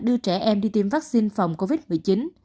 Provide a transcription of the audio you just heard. đưa trẻ em đi tiêm vaccine phòng covid một mươi chín